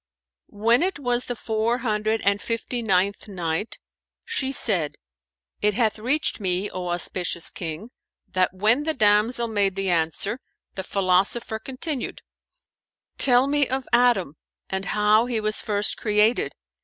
When it was the Four Hundred and Fifty ninth Night, She said, It hath reached me, O auspicious King, that when the damsel made the answer, the philosopher continued, "Tell me of Adam and how he was first created?"